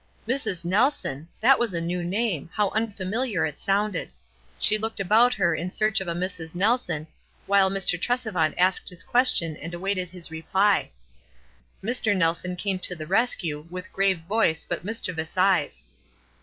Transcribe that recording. Mrs. Nelson !— that was a new T name; how unfamiliar it sounded. She looked about her in search of a Mrs. Nelson, while Mr. Tresevant 36Q WISE AND OTHERWISE. asked his question and awaited bis reply. Mr. Nelson came to the rescue with grave voice but mischievous eyes.